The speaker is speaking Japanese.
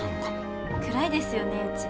暗いですよねうち。